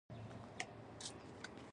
لوګر د مس عینک لرغونی کان لري